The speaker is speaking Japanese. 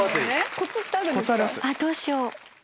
コツってあるですか？